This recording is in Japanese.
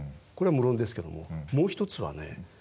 これは無論ですけどももう一つはね